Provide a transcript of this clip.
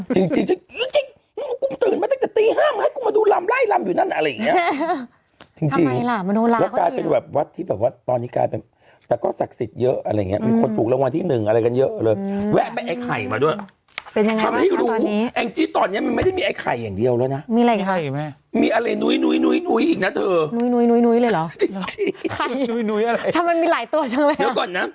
จริงจริงจริงจริงจริงจริงจริงจริงจริงจริงจริงจริงจริงจริงจริงจริงจริงจริงจริงจริงจริงจริงจริงจริงจริงจริงจริงจริงจริงจริงจริงจริงจริงจริงจริงจริงจริงจ